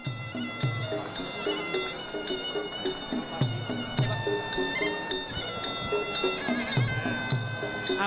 วันนี้จำเป็นป่ามีอย่างค่อนข้าง